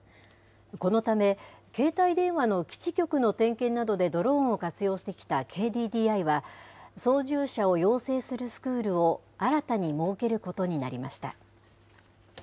このため、携帯電話の基地局の点検などでドローンを活用してきたＫＤＤＩは、操縦者を養成するスクールを新たに設けることになりました。